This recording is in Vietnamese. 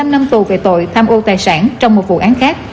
một mươi năm năm tù về tội tham ô tài sản trong một vụ án khác